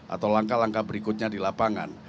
atau langkah langkah berikutnya di lapangan